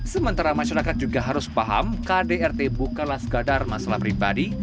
sementara masyarakat juga harus paham kdrt bukanlah sekadar masalah pribadi